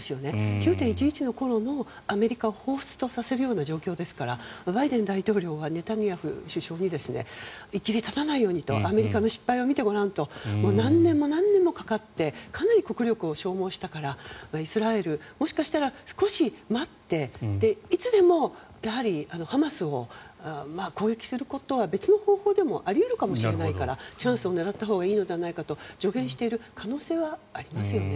９・１１の頃のアメリカをほうふつとさせる状況ですからバイデン大統領はネタニヤフ首相にいきり立たないようにとアメリカの失敗を見てごらんと何年も何年もかかってかなり国力を消耗したからイスラエルもしかしたら少し待っていつでもハマスを攻撃することは別の方法でもあり得るかもしれないからチャンスを狙ったほうがいいのではないかと助言している可能性はありますよね。